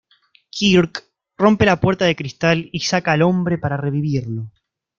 Kirk rompe la puerta de cristal y saca al hombre para revivirlo.